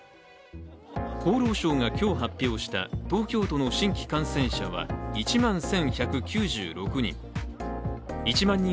厚労省が今日発表した東京都の新規感染者は１万１１９６人。